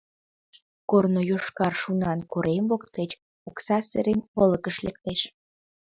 Корно йошкар шунан корем воктеч Окса-Серем олыкыш лектеш.